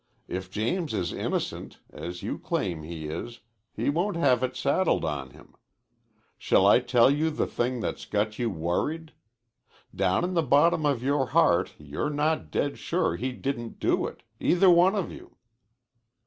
If James is innocent, as you claim he is, he won't have it saddled on him. Shall I tell you the thing that's got you worried? Down in the bottom of your heart you're not dead sure he didn't do it either one of you."